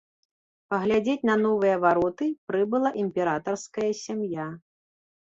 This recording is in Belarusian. Паглядзець на новыя вароты прыбыла імператарская сям'я.